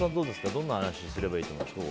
どんな話をすればいいですか。